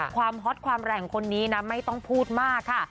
ฮอตความแรงของคนนี้นะไม่ต้องพูดมากค่ะ